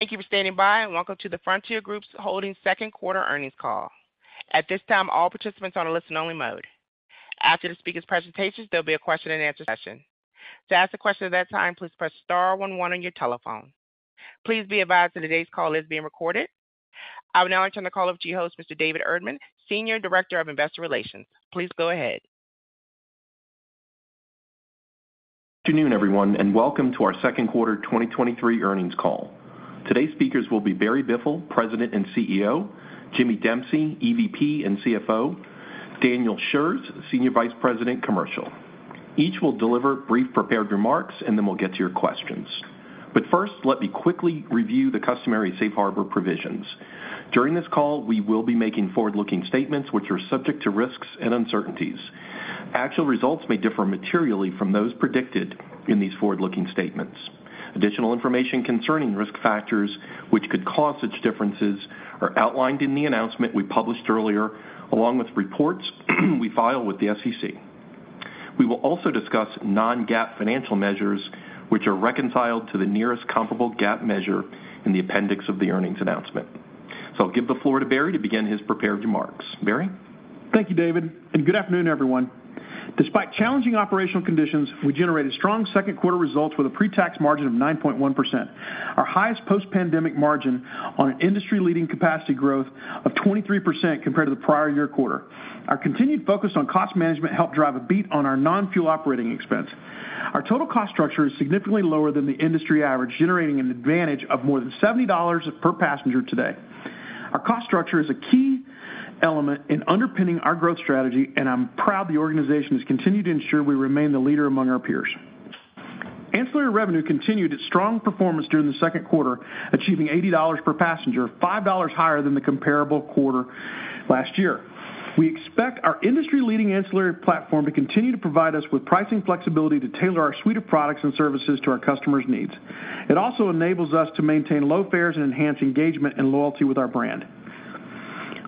Thank you for standing by. Welcome to the Frontier Group Holdings Q2 Earnings Call. At this time, all participants are on a listen-only mode. After the speaker's presentations, there'll be a question and answer session. To ask a question at that time, please press star one one on your telephone. Please be advised that today's call is being recorded. I will now turn the call over to your host, Mr. David Erdman, Senior Director of Investor Relations. Please go ahead. Good afternoon, everyone. Welcome to our Q2 2023 earnings call. Today's speakers will be Barry Biffle, President and CEO; Jimmy Dempsey, EVP and CFO; Daniel Shurz, Senior Vice President, Commercial. Each will deliver brief prepared remarks. Then we'll get to your questions. First, let me quickly review the customary safe harbor provisions. During this call, we will be making forward-looking statements which are subject to risks and uncertainties. Actual results may differ materially from those predicted in these forward-looking statements. Additional information concerning risk factors, which could cause such differences, are outlined in the announcement we published earlier, along with reports we file with the SEC. We will also discuss non-GAAP financial measures, which are reconciled to the nearest comparable GAAP measure in the appendix of the earnings announcement. I'll give the floor to Barry to begin his prepared remarks. Barry? Thank you, David, good afternoon, everyone. Despite challenging operational conditions, we generated strong Q2 results with a pre-tax margin of 9.1%, our highest post-pandemic margin on an industry-leading capacity growth of 23% compared to the prior year quarter. Our continued focus on cost management helped drive a beat on our non-fuel operating expense. Our total cost structure is significantly lower than the industry average, generating an advantage of more than $70 per passenger today. Our cost structure is a key element in underpinning our growth strategy, and I'm proud the organization has continued to ensure we remain the leader among our peers. Ancillary revenue continued its strong performance during the Q2, achieving $80 per passenger, $5 higher than the comparable quarter last year. We expect our industry-leading ancillary platform to continue to provide us with pricing flexibility to tailor our suite of products and services to our customers' needs. It also enables us to maintain low fares and enhance engagement and loyalty with our brand.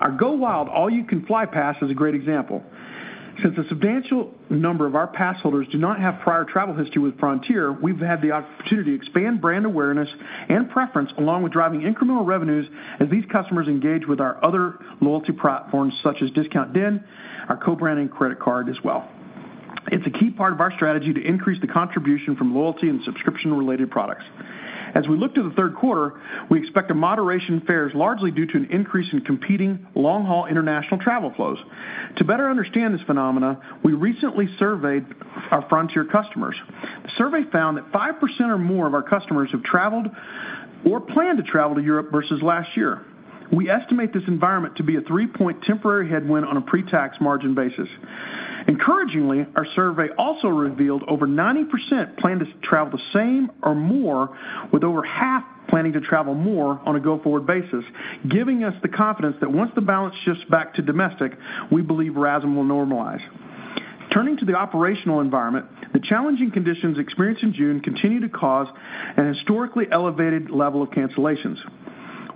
Our GoWild! All-You-Can-Fly Pass is a great example. Since a substantial number of our pass holders do not have prior travel history with Frontier, we've had the opportunity to expand brand awareness and preference, along with driving incremental revenues as these customers engage with our other loyalty platforms, such as Discount Den, our co-branding credit card as well. It's a key part of our strategy to increase the contribution from loyalty and subscription-related products. As we look to the Q3, we expect a moderation in fares, largely due to an increase in competing long-haul international travel flows. To better understand this phenomena, we recently surveyed our Frontier customers. The survey found that 5% or more of our customers have traveled or plan to travel to Europe versus last year. We estimate this environment to be a 3-point temporary headwind on a pre-tax margin basis. Encouragingly, our survey also revealed over 90% plan to travel the same or more, with over half planning to travel more on a go-forward basis, giving us the confidence that once the balance shifts back to domestic, we believe RASM will normalize. Turning to the operational environment, the challenging conditions experienced in June continue to cause an historically elevated level of cancellations.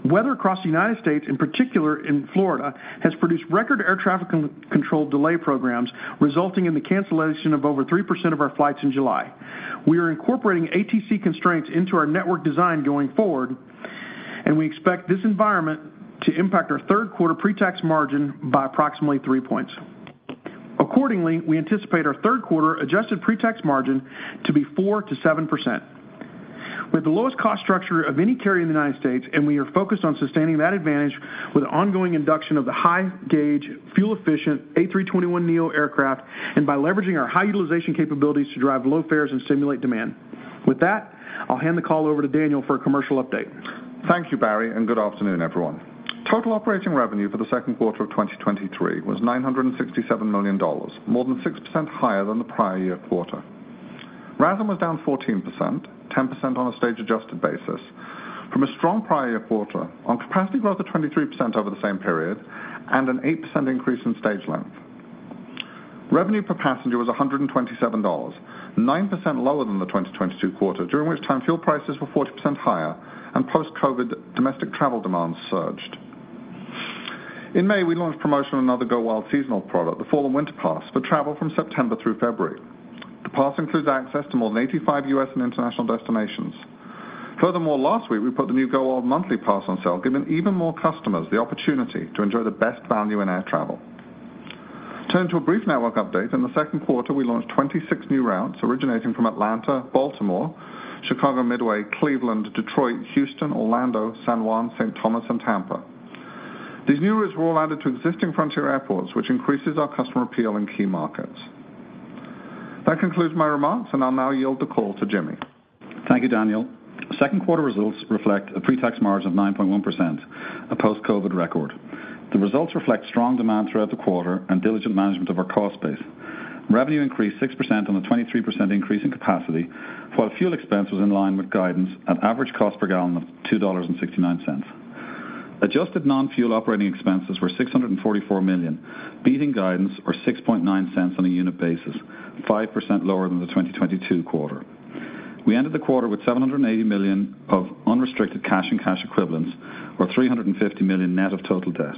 Weather across the United States, in particular in Florida, has produced record air traffic controlled delay programs, resulting in the cancellation of over 3% of our flights in July. We are incorporating ATC constraints into our network design going forward. We expect this environment to impact our Q3 pre-tax margin by approximately three points. Accordingly, we anticipate our Q3 adjusted pre-tax margin to be 4% to 7%. We have the lowest cost structure of any carrier in the United States. We are focused on sustaining that advantage with ongoing induction of the high-gauge, fuel-efficient A321neo aircraft and by levraging our high utilization capabilities to drive low fares and stimulate demand. With that, I'll hand the call over to Daniel for a commercial update. Thank you, Barry. Good afternoon, everyone. Total operating revenue for the Q2 of 2023 was $967 million, more than 6% higher than the prior year quarter. RASM was down 14%, 10% on a stage-adjusted basis, from a strong prior year quarter on capacity growth of 23% over the same period and an 8% increase in stage length. Revenue per passenger was $127, 9% lower than the 2022 quarter, during which time fuel prices were 40% higher and post-COVID domestic travel demand surged. In May, we launched promotion on another GoWild seasonal product, the Fall & Winter Pass, for travel from September through February. The pass includes access to more than 85 S. and international destinations. Furthermore, last week, we put the new GoWild monthly pass on sale, giving even more customers the opportunity to enjoy the best value in air travel. Turning to a brief network update, in the Q2, we launched 26 new routes originating from Atlanta, Baltimore, Chicago Midway, Cleveland, Detroit, Houston, Orlando, San Juan, St. Thomas, and Tampa. These new routes were all added to existing Frontier airports, which increases our customer appeal in key markets. That concludes my remarks, and I'll now yield the call to Jimmy. Thank you, Daniel. Q2 results reflect a pre-tax margin of 9.1%, a post-COVID record. The results reflect strong demand throughout the quarter and diligent management of our cost base. Revenue increased 6% on a 23% increase in capacity, while fuel expense was in line with guidance at average cost per gallon of $2.69. Adjusted non-fuel operating expenses were $644 million, beating guidance or $0.069 on a unit basis, 5% lower than the 2022 quarter. We ended the quarter with $780 million of unrestricted cash and cash equivalents, or $350 million net of total debt.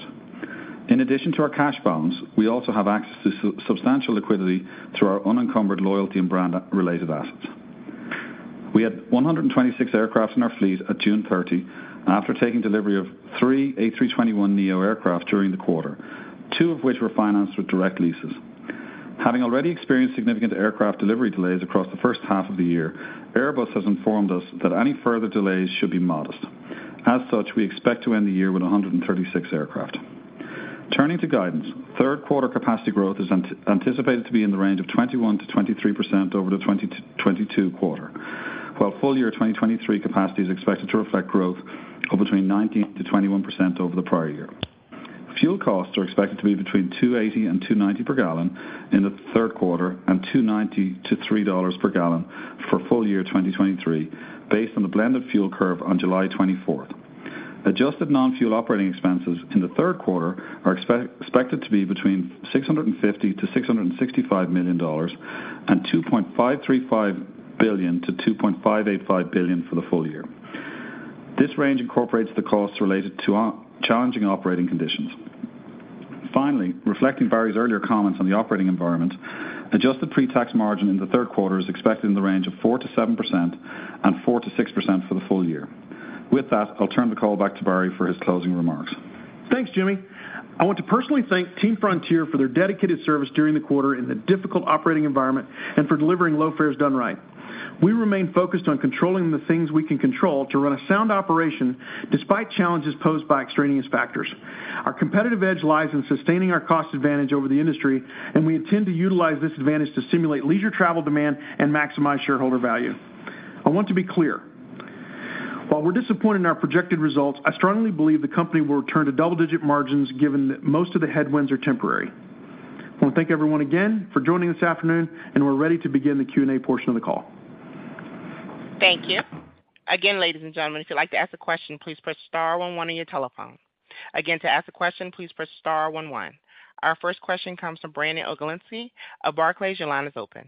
In addition to our cash balance, we also have access to substantial liquidity through our unencumbered loyalty and brand related assets. We had 126 aircraft in our fleet at June 30, after taking delivery of three A321neo aircraft during the quarter, two of which were financed with direct leases. Having already experienced significant aircraft delivery delays across the H1 of the year, Airbus has informed us that any further delays should be modest. As such, we expect to end the year with 136 aircraft. Turning to guidance, Q3 capacity growth is anticipated to be in the range of 21% to 23% over the 2022 quarter, while full year 2023 capacity is expected to reflect growth of between 19% to 21% over the prior year. Fuel costs are expected to be between $2.80 and 2.90 per gallon in the Q3, and $2.90 to 3.00 per gallon for full year 2023, based on the blend of fuel curve on 24th July. Adjusted non-fuel operating expenses in the Q3 are expected to be between $650 to 665 million and $2.535 to 2.585 billion for the full year. This range incorporates the costs related to challenging operating conditions. Finally, reflecting Barry's earlier comments on the operating environment, adjusted pre-tax margin in the Q3 is expected in the range of 4% to 7% and 4% to 6% for the full year. With that, I'll turn the call back to Barry for his closing remarks. Thanks, Jimmy. I want to personally thank Team Frontier for their dedicated service during the quarter in a difficult operating environment and for delivering low fares done right. We remain focused on controlling the things we can control to run a sound operation despite challenges posed by extraneous factors. Our competitive edge lies in sustaining our cost advantage over the industry, and we intend to utilize this advantage to stimulate leisure travel demand and maximize shareholder value. I want to be clear: while we're disappointed in our projected results, I strongly believe the company will return to double-digit margins, given that most of the headwinds are temporary. I want to thank everyone again for joining this afternoon, and we're ready to begin the Q&A portion of the call. Thank you. Again, ladies and gentlemen, if you'd like to ask a question, please press star one one on your telephone. Again, to ask a question, please press star one one. Our first question comes from Brandon Oglenski of Barclays. Your line is open.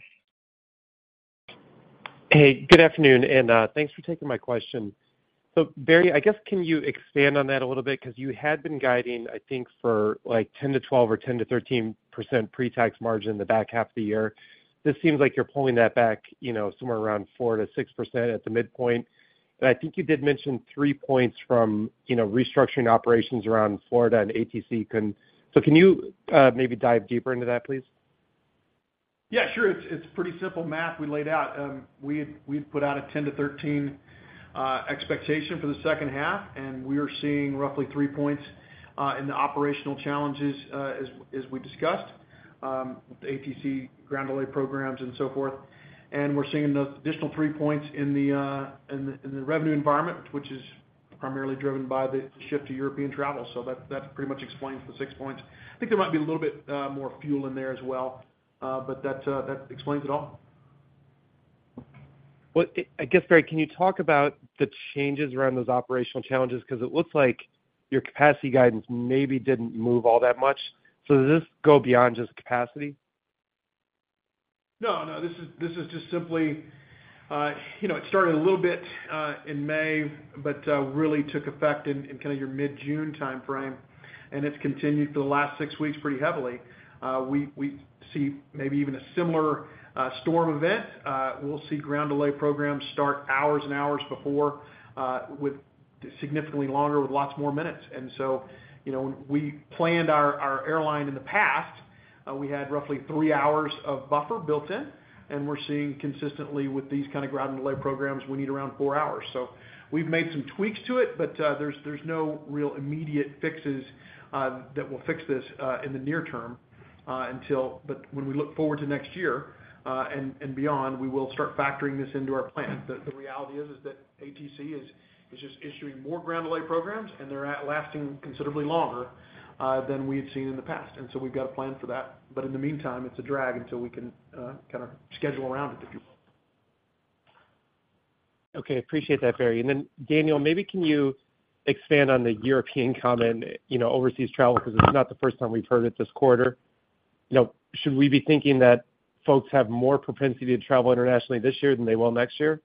Hey, good afternoon, and thanks for taking my question. Barry, I guess, can you expand on that a little bit? Because you had been guiding, I think, for like 10% to 12% or 10% to 13% pre-tax margin in the back half of the year. This seems like you're pulling that back, you know, somewhere around 4% to 6% at the midpoint. I think you did mention three points from, you know, restructuring operations around Florida and ATC. Can-- can you, maybe dive deeper into that, please? Yeah, sure. It's, it's pretty simple math we laid out. We had, we'd put out a 10 to 13 expectation for the H2, and we are seeing roughly 3 points in the operational challenges, as we, as we discussed, with the ATC ground delay programs and so forth. We're seeing those additional three points in the, in the, in the revenue environment, which is primarily driven by the shift to European travel. That, that pretty much explains the six points. I think there might be a little bit more fuel in there as well, but that, that explains it all. Well, I, I guess, Barry, can you talk about the changes around those operational challenges? It looks like your capacity guidance maybe didn't move all that much. Does this go beyond just capacity? No, no, this is, this is just simply, you know, it started a little bit in May, but really took effect in, in kind of your mid-June time frame, and it's continued for the last six weeks pretty heavily. We, we see maybe even a similar storm event. We'll see ground delay programs start hours and hours before, with significantly longer, with lots more minutes. So, you know, we planned our, our airline in the past, we had roughly three hours of buffer built in, and we're seeing consistently with these kind of ground delay programs, we need around four hours. We've made some tweaks to it, but there's, there's no real immediate fixes that will fix this in the near term, until... When we look forward to next year, and, and beyond, we will start factoring this into our plan. The, the reality is, is that ATC is, is just issuing more ground delay programs, and they're at lasting considerably longer, than we had seen in the past, and so we've got a plan for that. In the meantime, it's a drag until we can, kind of schedule around it. Okay. Appreciate that, Barry. Daniel, maybe can you expand on the European comment, you know, overseas travel, because it's not the first time we've heard it this quarter. You know, should we be thinking that folks have more propensity to travel internationally this year than they will next year?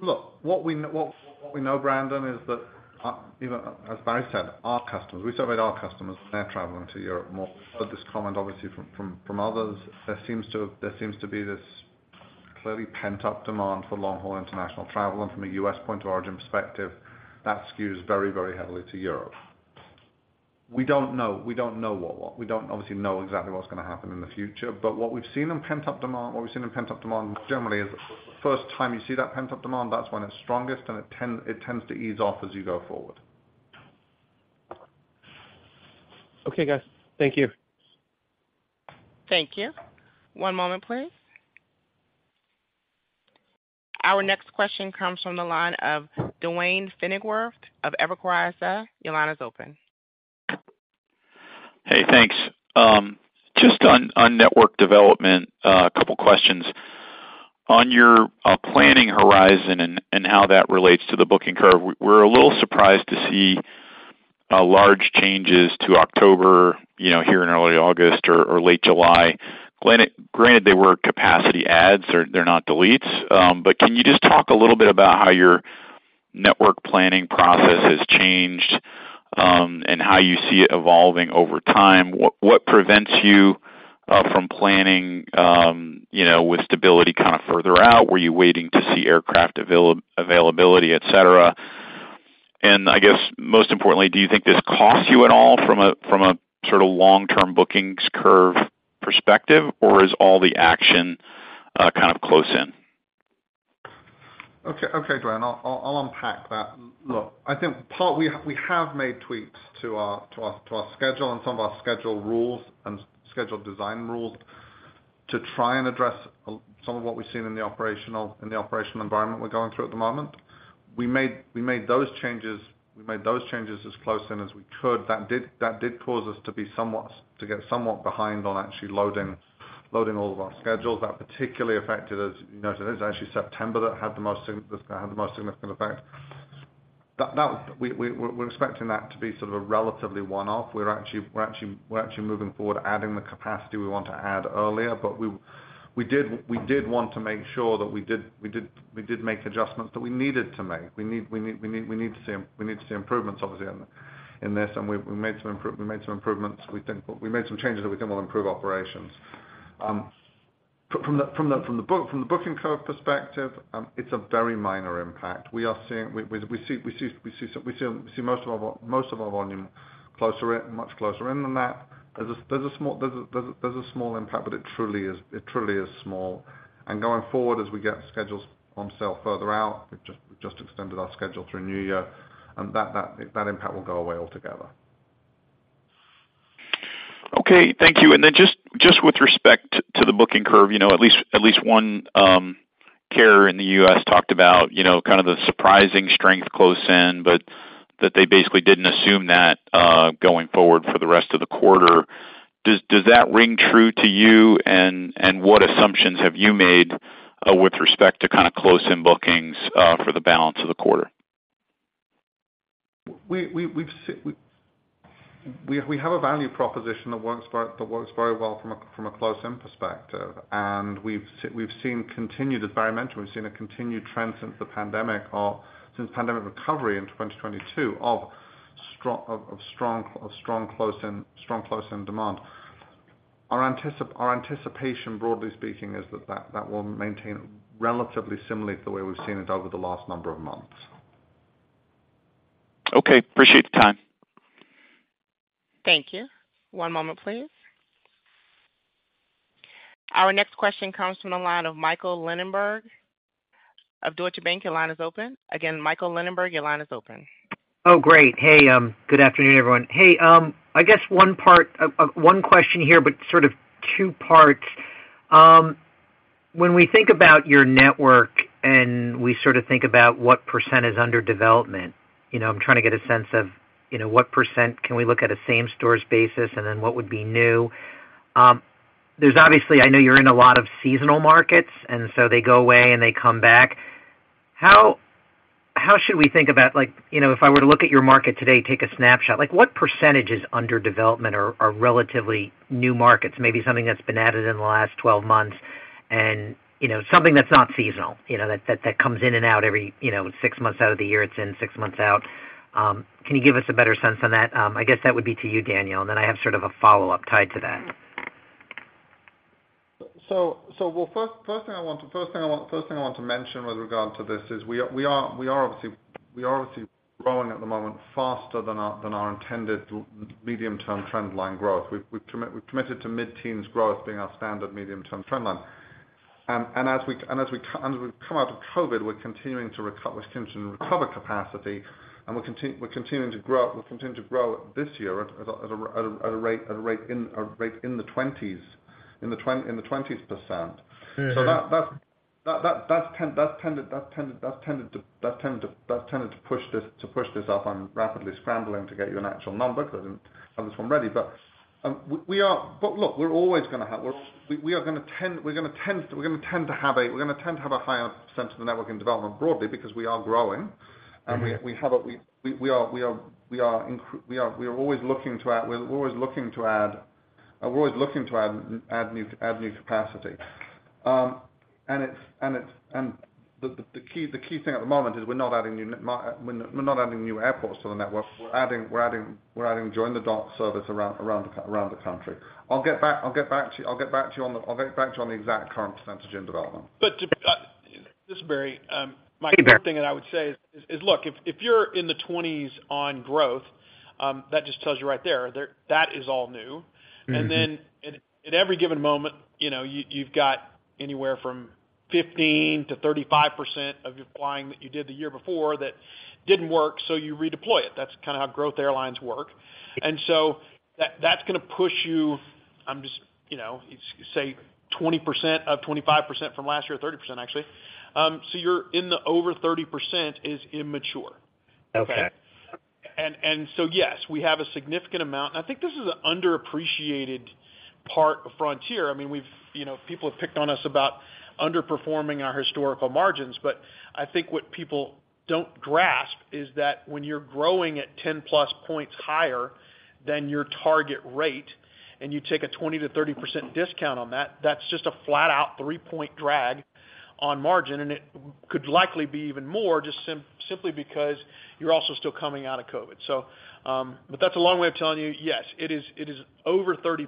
Look, what we know, what, what we know, Brandon, is that, you know, as Barry said, our customers, we surveyed our customers, and they're traveling to Europe more. This comment, obviously, from, from, from others, there seems to, there seems to be this clearly pent-up demand for long-haul international travel, and from a US point of origin perspective, that skews very, very heavily to Europe. We don't know. We don't know what, what, we don't obviously know exactly what's gonna happen in the future, but what we've seen in pent-up demand, what we've seen in pent-up demand, generally is the first time you see that pent-up demand, that's when it's strongest, and it tend, it tends to ease off as you go forward. Okay, guys. Thank you. Thank you. One moment, please. Our next question comes from the line of Duane Pfennigwerth of Evercore ISI. Your line is open. Hey, thanks. Just on, on network development, couple questions. On your planning horizon and, and how that relates to the booking curve, we're a little surprised to see large changes to October, you know, here in early August or, or late July. Granted, they were capacity adds, they're not deletes, but can you just talk a little bit about how your network planning process has changed, and how you see it evolving over time. What, what prevents you from planning, you know, with stability kind of further out? Were you waiting to see aircraft availability, et cetera? I guess most importantly, do you think this costs you at all from a, from a sort of long-term bookings curve perspective, or is all the action kind of close in? Okay, okay, Duane, I'll, I'll unpack that. Look, I think part we have made tweaks to our, to our, to our schedule and some of our schedule rules and schedule design rules to try and address some of what we've seen in the operational, in the operational environment we're going through at the moment. We made, we made those changes, we made those changes as close in as we could. That did, that did cause us to be somewhat, to get somewhat behind on actually loading, loading all of our schedules. That particularly affected, as you noted, it's actually September that had the most significant effect. That, we, we, we're expecting that to be sort of a relatively one-off. We're actually moving forward, adding the capacity we want to add earlier, but we did want to make sure that we did make adjustments that we needed to make. We need to see improvements obviously in this and we made some improvements, we think we made some changes that we think will improve operations. From the booking curve perspective, it's a very minor impact. We see most of our volume closer in, much closer in than that. There's a small impact, but it truly is, it truly is small. Going forward, as we get schedules on sale further out, we've just extended our schedule through New Year, and that impact will go away altogether. Okay, thank you. Just, just with respect to, to the booking curve, you know, at least, at least one carrier in the US talked about, you know, kind of the surprising strength close in, but that they basically didn't assume that going forward for the rest of the quarter. Does that ring true to you? What assumptions have you made with respect to kind of close-in bookings for the balance of the quarter? We have a value proposition that works very, that works very well from a, from a close-in perspective. we've seen continued environmental, we've seen a continued trend since the pandemic or since pandemic recovery in 2022 of strong, of strong, of strong close-in, strong close-in demand. Our anticipation, broadly speaking, is that, that will maintain relatively similarly to the way we've seen it over the last number of months. Okay. Appreciate the time. Thank you. One moment, please. Our next question comes from the line of Michael Linenberg of Deutsche Bank. Your line is open. Again, Michael Linenberg, your line is open. Oh, great. Hey, good afternoon, everyone. Hey, I guess one part, one question here, but sort of two parts. When we think about your network and we sort of think about what percent is under development, you know, I'm trying to get a sense of, you know, what percent can we look at a same stores basis, and then what would be new? There's obviously, I know you're in a lot of seasonal markets, and so they go away and they come back. How, how should we think about, like, you know, if I were to look at your market today, take a snapshot, like what percentage is under development or, or relatively new markets? Maybe something that's been added in the last 12 months and, you know, something that's not seasonal, you know, that, that, that comes in and out every, you know, six months out of the year, it's in six months out. Can you give us a better sense on that? I guess that would be to you, Daniel, and then I have sort of a follow-up tied to that. Well, first thing I want to mention with regard to this is we are obviously growing at the moment faster than our intended medium-term trend line growth. We've committed to mid-teens growth being our standard medium-term trend line. As we come out of COVID, we're continuing to recover capacity and we're continuing to grow, we're continuing to grow this year at a rate in the 20%. That's tended to push this up. I'm rapidly scrambling to get you an actual number, because I haven't this one ready. Look, we're always gonna have. We are gonna tend, we're gonna tend, we're gonna tend to have, we're gonna tend to have a higher percent of the network in development broadly because we are growing. Mm-hmm. We, we have, we, we, we are, we are, we are we are, we are always looking to add, we're always looking to add, we're always looking to add, add new, add new capacity. It's, and it's, and the, the, the key, the key thing at the moment is we're not adding new we're not, we're not adding new airports to the network. We're adding, we're adding, we're adding during the dark service around, around the, around the country. I'll get back, I'll get back to you, I'll get back to you on the, I'll get back to you on the exact current percentage in development. This is Barry. My thing that I would say is, look, if you're in the 20's on growth, that just tells you right there that is all new. Mm-hmm. Then, and at every given moment, you know, you, you've got anywhere from 15% to 35% of your flying that you did the year before that didn't work, so you redeploy it. That's kind of how growth airlines work. So that, that's gonna push you, just, you know, say 20% of 25% from last year, 30%, actually. So you're in the over 30% is immature. Okay. Yes, we have a significant amount, and I think this is an underappreciated part of Frontier. I mean, we've, you know, people have picked on us about underperforming our historical margins, but I think what people don't grasp...... is that when you're growing at 10+ points higher than your target rate, and you take a 20% to 30% discount on that, that's just a flat out 3-point drag on margin, and it could likely be even more simply because you're also still coming out of COVID. But that's a long way of telling you, yes, it is, it is over 30%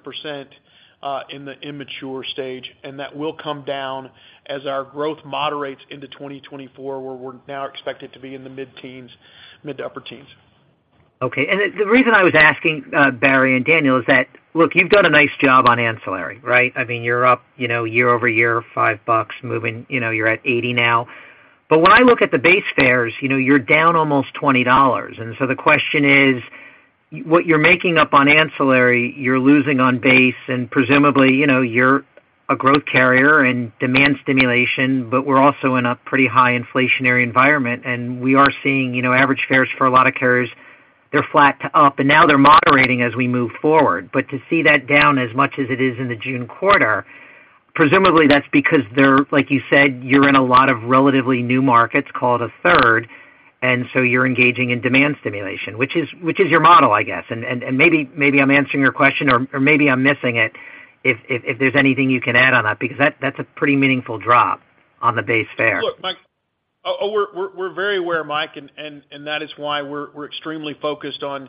in the immature stage, and that will come down as our growth moderates into 2024, where we're now expected to be in the mid-teens, mid to upper teens. Okay. The, the reason I was asking, Barry and Daniel, is that, look, you've done a nice job on ancillary, right? I mean, you're up, you know, year-over-year, $5, moving you know, you're at 80 now. When I look at the base fares, you know, you're down almost $20. So the question is: What you're making up on ancillary, you're losing on base, and presumably, you know, you're a growth carrier and demand stimulation, but we're also in a pretty high inflationary environment, and we are seeing, you know, average fares for a lot of carriers, they're flat to up, and now they're moderating as we move forward. To see that down as much as it is in the June quarter, presumably that's because they're, like you said, you're in a lot of relatively new markets, call it a third, and so you're engaging in demand stimulation, which is, which is your model, I guess. And, and, and maybe, maybe I'm answering your question or, or maybe I'm missing it, if, if, if there's anything you can add on that, because that, that's a pretty meaningful drop on the base fare. Look, Mike-- Oh, oh, we're, we're, we're very aware, Mike, and, and, and that is why we're, we're extremely focused on,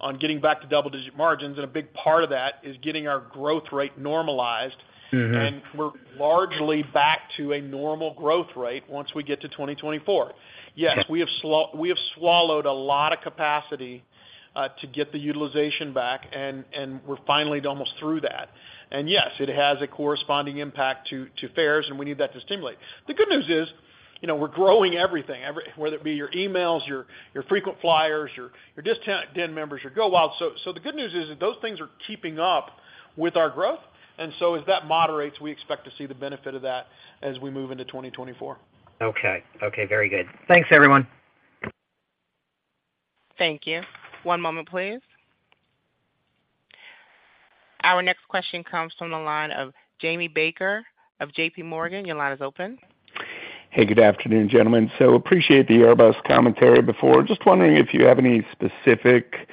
on getting back to double-digit margins, and a big part of that is getting our growth rate normalized. Mm-hmm. We're largely back to a normal growth rate once we get to 2024. Yes, we have swallowed a lot of capacity to get the utilization back, and we're finally almost through that. Yes, it has a corresponding impact to fares, and we need that to stimulate. The good news is, you know, we're growing everything, whether it be your emails, your frequent flyers, your Discount Den members, your GoWild. The good news is that those things are keeping up with our growth, and so as that moderates, we expect to see the benefit of that as we move into 2024. Okay. Okay, very good. Thanks, everyone. Thank you. One moment, please. Our next question comes from the line of Jamie Baker of JPMorgan. Your line is open. Hey, good afternoon, gentlemen. Appreciate the Airbus commentary before. Just wondering if you have any specific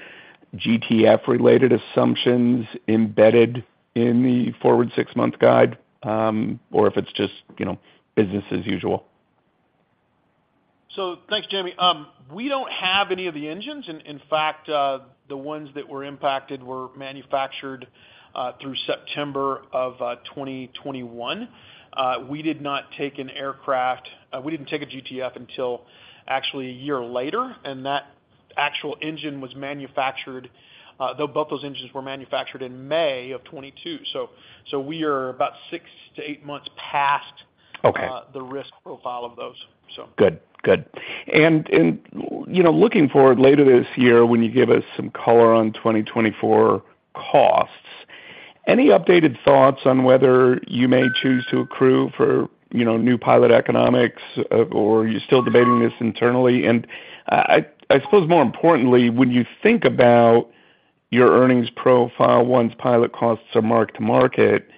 GTF-related assumptions embedded in the forward six-month guide, or if it's just, you know, business as usual. Thanks, Jamie. We don't have any of the engines, and in fact, the ones that were impacted were manufactured through September of 2021. We did not take an aircraft-- we didn't take a GTF until actually a year later, and that actual engine was manufactured, though both those engines were manufactured in May of 2022. We are about six to eight months past. Okay... the risk profile of those so. Good. Good. You know, looking forward later this year, when you give us some color on 2024 costs, any updated thoughts on whether you may choose to accrue for, you know, new pilot economics, or are you still debating this internally? I suppose more importantly, when you think about your earnings profile, once pilot costs are mark-to-market,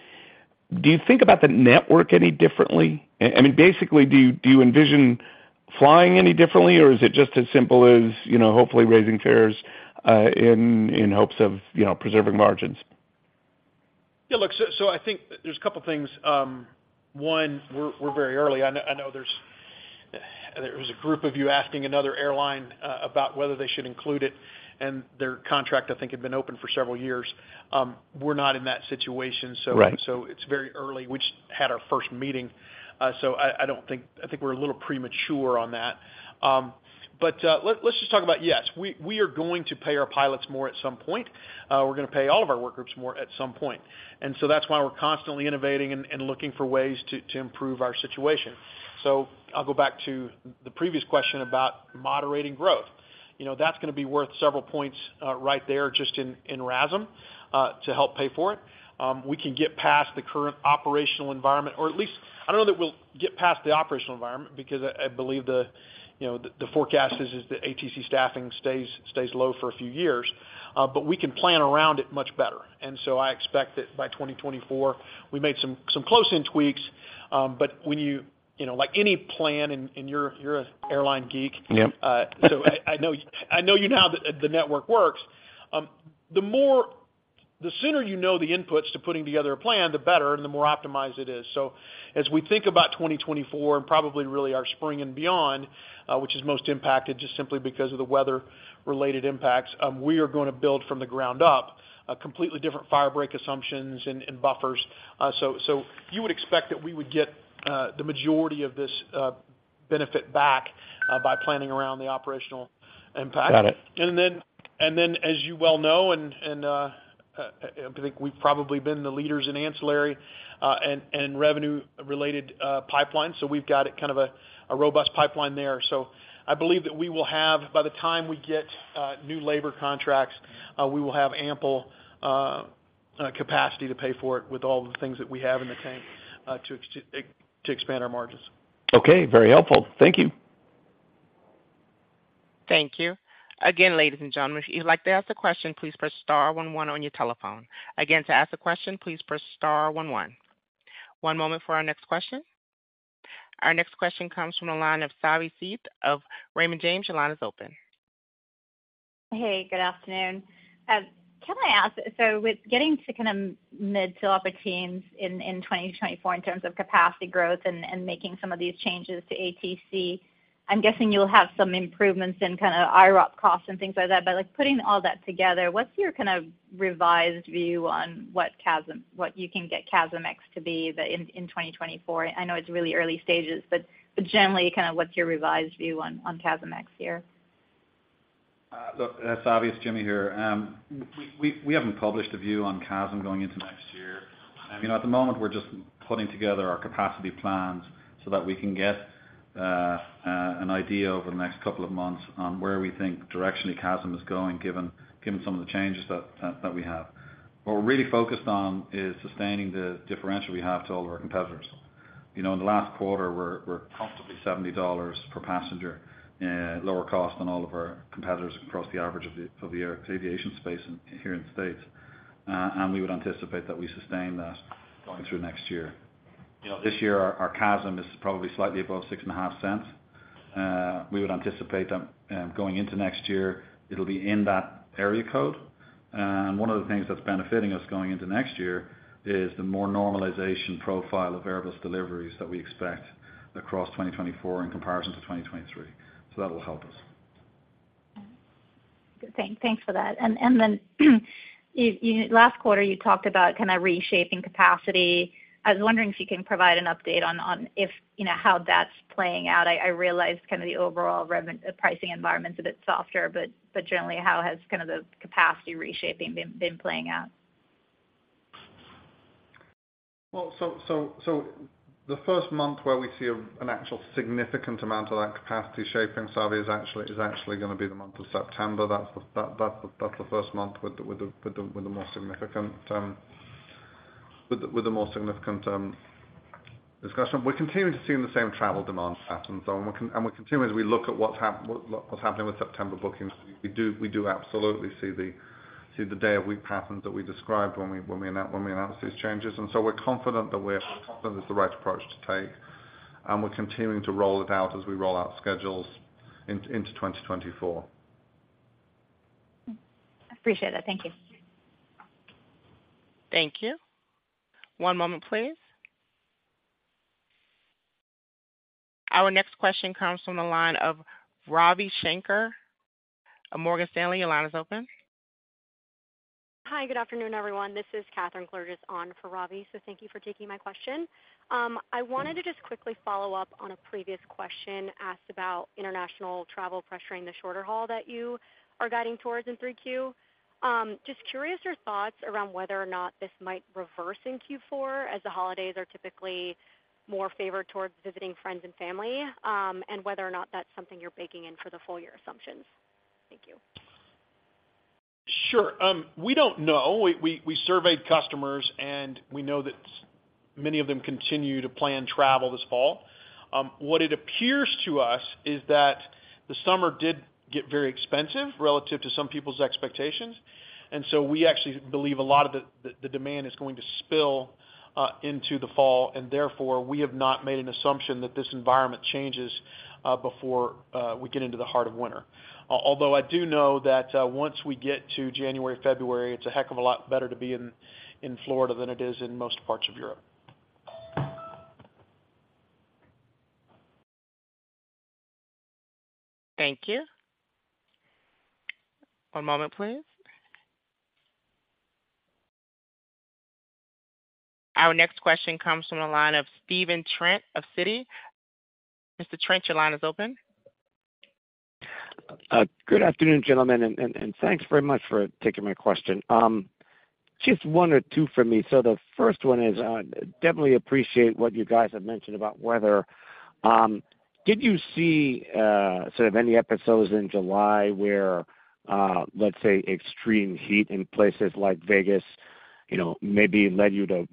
do you think about the network any differently? I mean, basically, do you, do you envision flying any differently, or is it just as simple as, you know, hopefully raising fares, in, in hopes of, you know, preserving margins? Yeah, look, so I think there's couple of things. One, we're very early. I know there was a group of you asking another airline about whether they should include it, and their contract, I think, had been open for several years. We're not in that situation. Right... so it's very early. We just had our first meeting, so I think we're a little premature on that. But let's just talk about, yes, we, we are going to pay our pilots more at some point. We're gonna pay all of our work groups more at some point. That's why we're constantly innovating and, and looking for ways to, to improve our situation. I'll go back to the previous question about moderating growth. You know, that's gonna be worth several points right there, just in, in RASM, to help pay for it. We can get past the current operational environment, or at least... I don't know that we'll get past the operational environment because I, I believe the, you know, the, the forecast is, is the ATC staffing stays, stays low for a few years, but we can plan around it much better. I expect that by 2024, we made some, some close-in tweaks, but when you, you know, like any plan, and, and you're, you're an airline geek. Yep. I, I know, I know you know how the, the network works. The sooner you know the inputs to putting together a plan, the better and the more optimized it is. As we think about 2024 and probably really our spring and beyond, which is most impacted, just simply because of the weather-related impacts, we are gonna build from the ground up, completely different firebreak assumptions and buffers. You would expect that we would get the majority of this benefit back by planning around the operational impact. Got it. Then, and then, as you well know, and I think we've probably been the leaders in ancillary, and revenue-related pipeline, so we've got a kind of a robust pipeline there. I believe that we will have, by the time we get new labor contracts, we will have ample capacity to pay for it with all the things that we have in the tank, to expand our margins. Okay, very helpful. Thank you. Thank you. Again, ladies and gentlemen, if you'd like to ask a question, please press star one one on your telephone. Again, to ask a question, please press star one one. One moment for our next question. Our next question comes from the line of Savanthi Syth of Raymond James. Your line is open. Hey, good afternoon. Can I ask, with getting to kind of mid to upper teens in 2024 in terms of capacity growth and making some of these changes to ATC, I'm guessing you'll have some improvements in kind of IROP costs and things like that. Like, putting all that together, what's your kind of revised view on what CASM, what you can get CASM X to be in 2024? I know it's really early stages, but generally, kind of what's your revised view on CASM X next year? Look, that's Savi, it's Jimmy here. We, we, we haven't published a view on CASM going into next year. I mean, at the moment, we're just putting together our capacity plans so that we can get an idea over the next couple of months on where we think directionally CASM is going, given, given some of the changes that, that, that we have. What we're really focused on is sustaining the differential we have to all of our competitors. You know, in the last quarter, we're, we're constantly $70 per passenger lower cost than all of our competitors across the average of the, of the aviation space here in the States. We would anticipate that we sustain that going through next year. You know, this year, our, our CASM is probably slightly above $0.065. We would anticipate that, going into next year, it'll be in that area code. One of the things that's benefiting us going into next year is the more normalization profile of Airbus deliveries that we expect across 2024 in comparison to 2023. That will help us. Good. Thank, thanks for that. Then, you last quarter, you talked about kind of reshaping capacity. I was wondering if you can provide an update on, on if, you know, how that's playing out. I, I realize kind of the overall pricing environment is a bit softer, but generally, how has kind of the capacity reshaping been, been playing out? The first month where we see a, an actual significant amount of that capacity shaping, Savi, is actually, is actually gonna be the month of September. That's the first month with the more significant discussion. We're continuing to see the same travel demand patterns, we continue as we look at what's happening with September bookings. We do absolutely see the day-of-week patterns that we described when we announced these changes. We're confident that we're confident it's the right approach to take, and we're continuing to roll it out as we roll out schedules into 2024. Hmm. Appreciate that. Thank you. Thank you. One moment, please. Our next question comes from the line of Ravi Shanker of Morgan Stanley. Your line is open. Hi, good afternoon, everyone. This is Katherine Kallergis, on for Ravi, so thank you for taking my question. I wanted to just quickly follow up on a previous question asked about international travel pressuring the shorter haul that you are guiding towards in Q3. Just curious your thoughts around whether or not this might reverse in Q4, as the holidays are typically more favored towards visiting friends and family, and whether or not that's something you're baking in for the full year assumptions. Thank you. Sure. We don't know. We, we, we surveyed customers, we know that many of them continue to plan travel this fall. What it appears to us is that the summer did get very expensive relative to some people's expectations, so we actually believe a lot of the, the, the demand is going to spill into the fall, therefore, we have not made an assumption that this environment changes before we get into the heart of winter. I do know that once we get to January, February, it's a heck of a lot better to be in Florida than it is in most parts of Europe. Thank you. One moment, please. Our next question comes from the line of Stephen Trent of Citi. Mr. Trent, your line is open. Good afternoon, gentlemen, and, and, and thanks very much for taking my question. Just one or two from me. The first one is, definitely appreciate what you guys have mentioned about weather. Did you see, sort of any episodes in July where, let's say extreme heat in places like Vegas, you know, maybe led you to,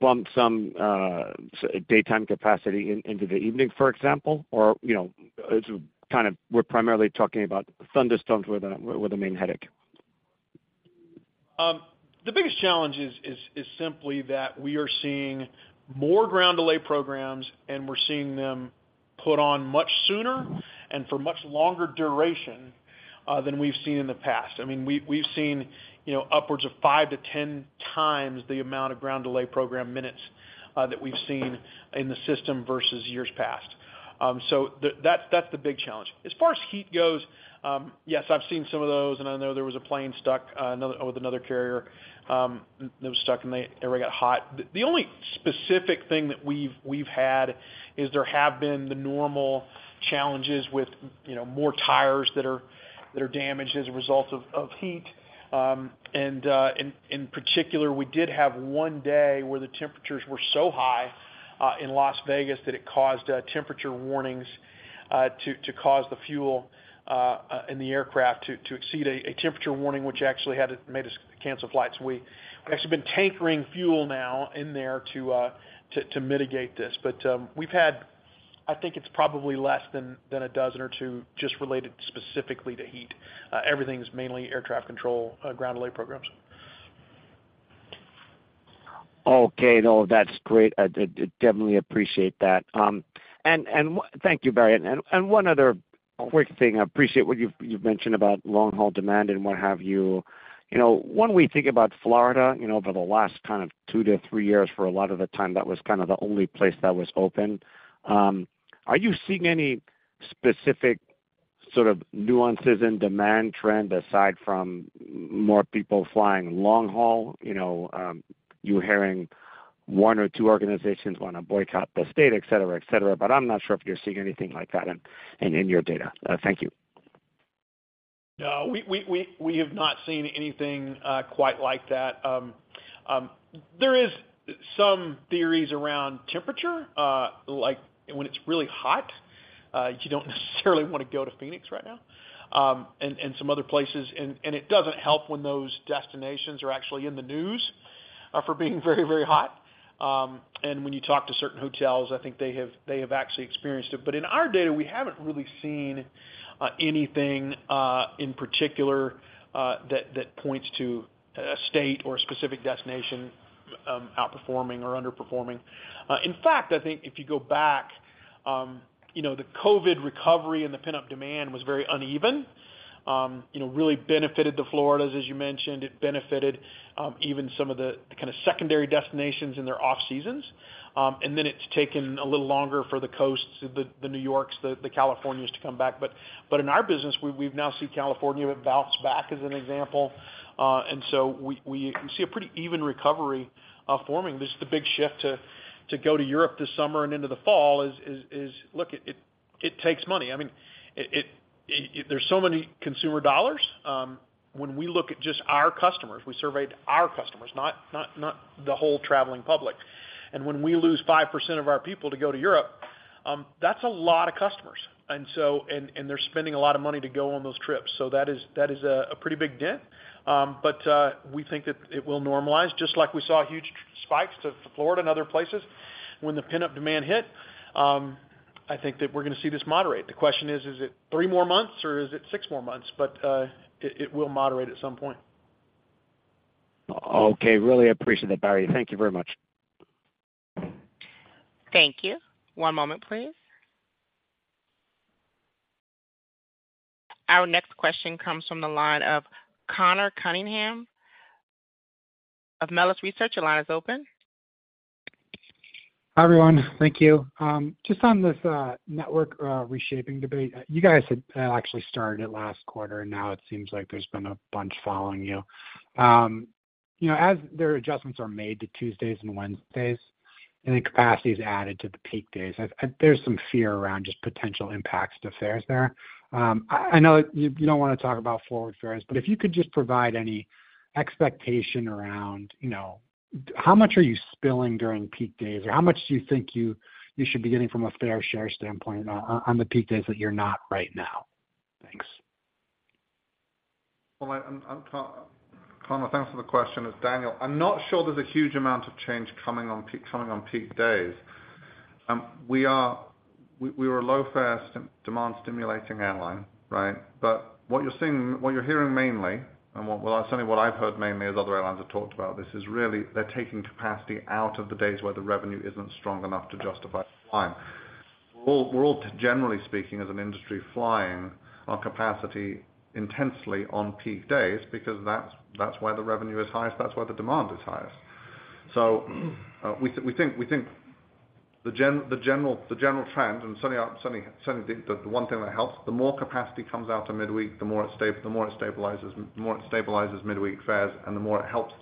bump some, daytime capacity in- into the evening, for example? Or, you know, it's kind of we're primarily talking about thunderstorms were the, were the main headache? The biggest challenge is, is, is simply that we are seeing more ground delay programs, and we're seeing them put on much sooner and for much longer duration than we've seen in the past. I mean, we've, we've seen, you know, upwards of 5 to 10x the amount of ground delay program minutes that we've seen in the system versus years past. So the, that's, that's the big challenge. As far as heat goes, yes, I've seen some of those, and I know there was a plane stuck, another, with another carrier. It was stuck, and everything got hot. The, the only specific thing that we've, we've had is there have been the normal challenges with, you know, more tires that are, that are damaged as a result of, of heat. In particular, we did have one day where the temperatures were so high, in Las Vegas that it caused temperature warnings to cause the fuel in the aircraft to exceed a temperature warning, which actually had to made us cancel flights. We've actually been tankering fuel now in there to mitigate this. I think it's probably less than dozen or two just related specifically to heat. Everything's mainly air traffic control, ground delay programs. Okay, no, that's great. I definitely appreciate that. Thank you, Barry. One other quick thing. I appreciate what you've, you've mentioned about long-haul demand and what have you. You know, when we think about Florida, you know, over the last kind of two to three years, for a lot of the time, that was kind of the only place that was open. Are you seeing any specific sort of nuances in demand trend aside from more people flying long haul? You know, you hearing one or two organizations want to boycott the state, et cetera, et cetera, but I'm not sure if you're seeing anything like that in, in, in your data. Thank you. No, we, we, we, we have not seen anything quite like that. There is some theories around temperature. Like when it's really hot, you don't necessarily want to go to Phoenix right now, and some other places. It doesn't help when those destinations are actually in the news for being very, very hot. When you talk to certain hotels, I think they have, they have actually experienced it. In our data, we haven't really seen anything in particular that points to a state or a specific destination outperforming or underperforming. In fact, I think if you go back, you know, the COVID recovery and the pent-up demand was very uneven. You know, really benefited the Floridas, as you mentioned. It benefited, even some of the kind of secondary destinations in their off seasons. Then it's taken a little longer for the coasts, the, the New Yorks, the, the Californias to come back. But in our business, we, we've now seen California bounce back as an example. So we, we see a pretty even recovery forming. This is the big shift to, to go to Europe this summer and into the fall, it, it, it takes money. I mean, there's so many consumer dollars. When we look at just our customers, we surveyed our customers, not the whole traveling public. When we lose 5% of our people to go to Europe, that's a lot of customers. They're spending a lot of money to go on those trips, so that is, that is a, a pretty big dent. We think that it will normalize, just like we saw huge spikes to Florida and other places when the pent-up demand hit. I think that we're gonna see this moderate. The question is, is it three more months or is it six more months? It, it will moderate at some point. Okay, really appreciate that, Barry. Thank you very much. Thank you. One moment, please. Our next question comes from the line of Conor Cunningham of Melius Research. Your line is open. Hi, everyone. Thank you. Just on this network reshaping debate, you guys had actually started it last quarter. Now it seems like there's been a bunch following you. You know, as their adjustments are made to Tuesdays and Wednesdays, then capacity is added to the peak days, I've, there's some fear around just potential impacts to fares there. I, I know you, you don't wanna talk about forward fares, if you could just provide any expectation around, you know, how much are you spilling during peak days, or how much do you think you, you should be getting from a fair share standpoint on, on the peak days that you're not right now? Thanks. Well, I, Conor, thanks for the question. It's Daniel. I'm not sure there's a huge amount of change coming on peak, coming on peak days. We are-- we, we were a low fare stim- demand stimulating airline, right? What you're seeing, what you're hearing mainly, and what, well, certainly what I've heard mainly as other airlines have talked about this, is really they're taking capacity out of the days where the revenue isn't strong enough to justify flying. We're all, we're all, generally speaking, as an industry, flying our capacity intensely on peak days because that's, that's where the revenue is highest, that's where the demand is highest. We think the general trend, and certainly the one thing that helps, the more capacity comes out of midweek, the more it stabilizes, the more it stabilizes midweek fares, and the more it helps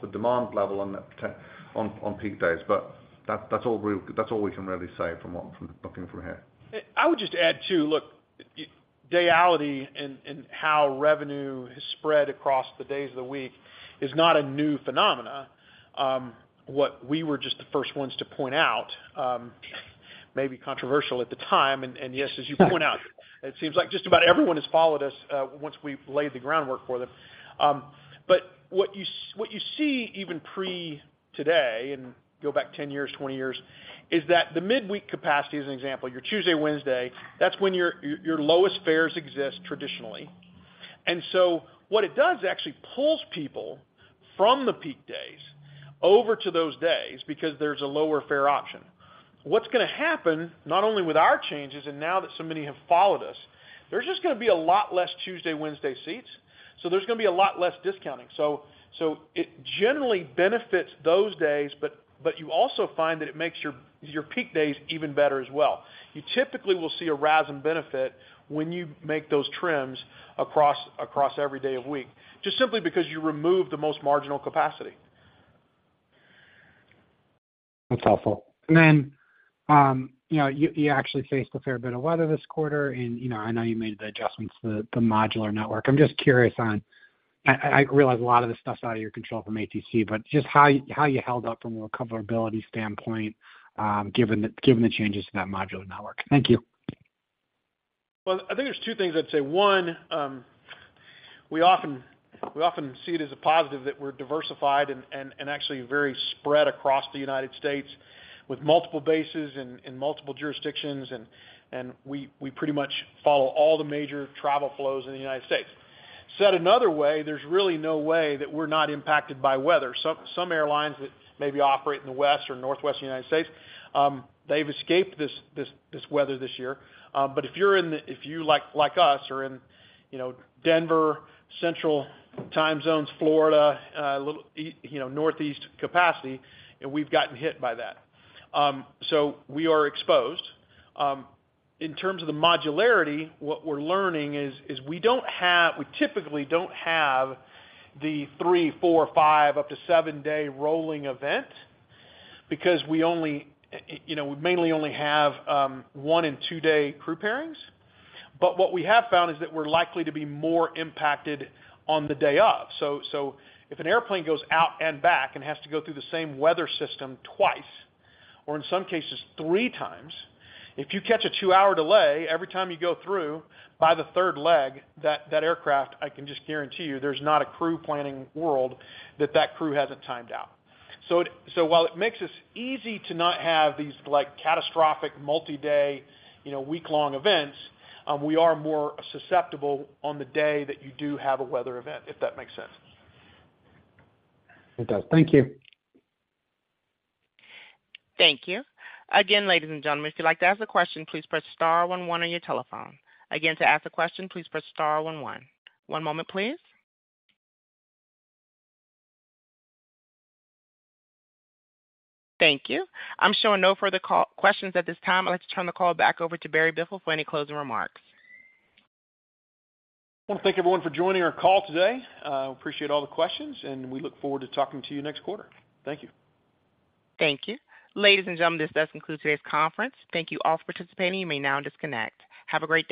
the demand level on peak days. That's all we can really say from looking from here. I would just add, too, look, day-of-week and, and how revenue is spread across the days of the week is not a new phenomena. What we were just the first ones to point out, may be controversial at the time, and yes, as you point out, it seems like just about everyone has followed us, once we've laid the groundwork for them. What you see even pre-today, and go back 10 years, 20 years, is that the midweek capacity, as an example, your Tuesday, Wednesday, that's when your, your, your lowest fares exist traditionally. What it does, it actually pulls people from the peak days over to those days because there's a lower fare option. What's gonna happen, not only with our changes and now that so many have followed us, there's just gonna be a lot less Tuesday, Wednesday seats, so there's gonna be a lot less discounting. It generally benefits those days, but you also find that it makes your, your peak days even better as well. You typically will see a RASM benefit when you make those trims across every day-of-week, just simply because you remove the most marginal capacity. That's helpful. You know, you, you actually faced a fair bit of weather this quarter, and, you know, I know you made the adjustments to the, the modular network. I'm just curious on. I realize a lot of this stuff's out of your control from ATC, but just how you, how you held up from a recoverability standpoint, given the, given the changes to that modular network. Thank you. Well, I think there's two things I'd say. One, we often, we often see it as a positive that we're diversified and, and, and actually very spread across the United States with multiple bases and, and multiple jurisdictions, and, and we, we pretty much follow all the major travel flows in the United States. Said another way, there's really no way that we're not impacted by weather. Some, some airlines that maybe operate in the West or Northwest United States, they've escaped this, this, this weather this year. If you're in the-- if you, like, like us, are in, you know, Denver, central time zones, Florida, you know, Northeast capacity, then we've gotten hit by that. We are exposed. In terms of the modularity, what we're learning is, is we don't have... we typically don't have the three, four, five, up to 7-day rolling event because we only, we mainly only have one and 2-day crew pairings. What we have found is that we're likely to be more impacted on the day of. If an airplane goes out and back and has to go through the same weather system twice, or in some cases three times, if you catch a 2-hour delay, every time you go through, by the third leg, that, that aircraft, I can just guarantee you, there's not a crew planning world that that crew hasn't timed out. While it makes us easy to not have these, like, catastrophic, multi-day, you know, week-long events, we are more susceptible on the day that you do have a weather event, if that makes sense. It does. Thank you. Thank you. Again, ladies and gentlemen, if you'd like to ask a question, please press star one one on your telephone. Again, to ask a question, please press star one one. One moment, please. Thank you. I'm showing no further call questions at this time. I'd like to turn the call back over to Barry Biffle for any closing remarks. Well, thank you everyone for joining our call today. Appreciate all the questions, and we look forward to talking to you next quarter. Thank you. Thank you. Ladies and gentlemen, this does conclude today's conference. Thank you all for participating. You may now disconnect. Have a great day.